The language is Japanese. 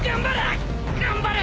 頑張れ！